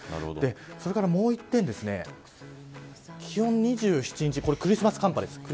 それから、もう一点２７日、クリスマス寒波です。